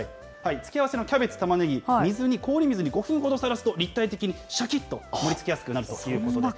付け合わせのキャベツ、タマネギ、水に、氷水に５分ほどさらすと、立体的にシャキッと盛りつけやすくなるということです。